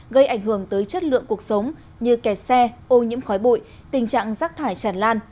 gây ảnh hưởng tới chất lượng cuộc sống như kẹt xe ô nhiễm khói bụi tình trạng rác thải tràn lan